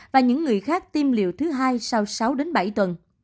và những người khác tiêm liệu thứ hai sau sáu đến bảy tuần